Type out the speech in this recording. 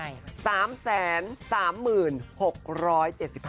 ยังไง